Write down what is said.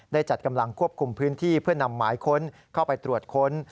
จัดกำลังควบคุมพื้นที่เพื่อนำหมายค้นเข้าไปตรวจค้น